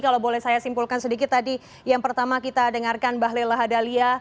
kalau boleh saya simpulkan sedikit tadi yang pertama kita dengarkan bahlil lahadalia